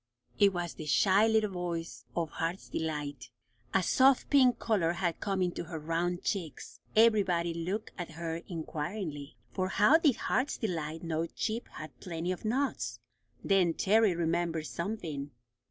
It was the shy little voice of Heart's Delight. A soft pink colour had come into her round cheeks. Everybody looked at her inquiringly, for how did Heart's Delight know Chip had plenty of nuts? Then Terry remembered something.